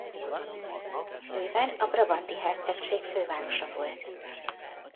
Leuven a Brabanti Hercegség fővárosa volt.